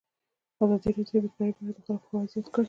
ازادي راډیو د بیکاري په اړه د خلکو پوهاوی زیات کړی.